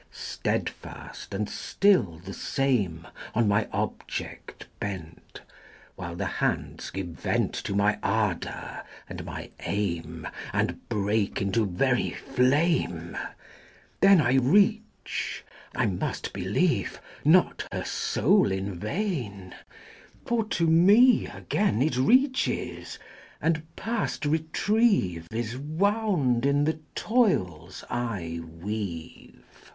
Steadfast and still the same On my object bent, While the hands give vent To my ardour and my aim And break into very flame XIV. Then I reach, I must believe, Not her soul in vain, For to me again It reaches, and past retrieve Is wound in the toils I weave; XV.